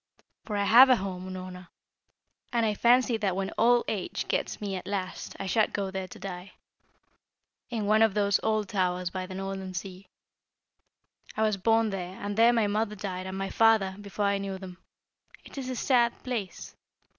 For I have a home, Unorna, and I fancy that when old age gets me at last I shall go there to die, in one of those old towers by the northern sea. I was born there, and there my mother died and my father, before I knew them; it is a sad place!